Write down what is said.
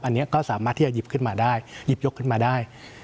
อันนี้ก็สามารถที่จะหยิบขึ้นมาได้หยิบยกขึ้นมาได้